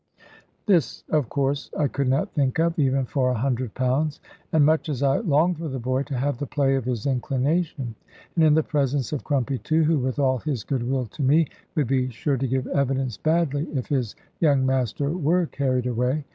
This, of course, I could not think of, even for a hundred pounds; and much as I longed for the boy to have the play of his inclination. And in the presence of Crumpy too, who with all his goodwill to me, would be sure to give evidence badly, if his young master were carried away!